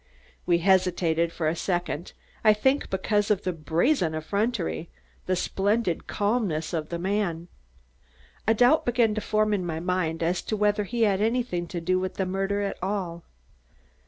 We hesitated for a second, I think because of the brazen effrontery, the splendid calmness of the man. A doubt began to form in my mind as to whether he had anything to do with the murder at all.